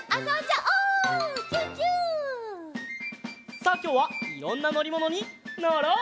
さあきょうはいろんなのりものにのろう！